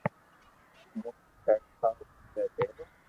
ھون ݾرٽ ٺاو پسي پيرو